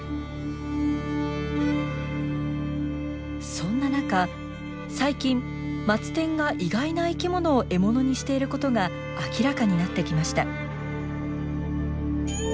そんな中最近マツテンが意外な生き物を獲物にしていることが明らかになってきました。